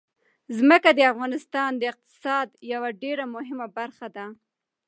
ځمکه د افغانستان د اقتصاد یوه ډېره مهمه برخه ده.